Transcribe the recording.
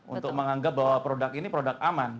untuk menganggap bahwa produk ini produk aman